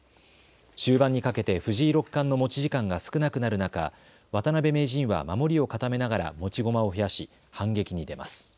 終盤にかけて藤井六冠の持ち時間が少なくなる中、渡辺名人は守りを固めながら持ち駒を増やし反撃に出ます。